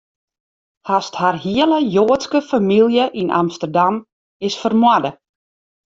Hast har hiele Joadske famylje yn Amsterdam, is fermoarde.